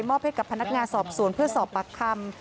ให้กับพนักงานสอบสวนเพื่อสอบปากคำ